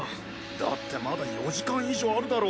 だってまだ４時間以上あるだろ